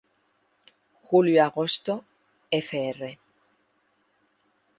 Julio-agosto, fr.